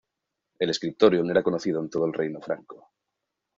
El scriptorium era conocido en todo el reino Franco.